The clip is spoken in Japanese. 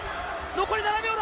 残り７秒だ。